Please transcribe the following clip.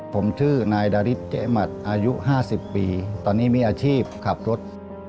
ผมชื่อนายดาริสเจ๊หมัดอายุ๕๐ปีตอนนี้มีอาชีพขับรถ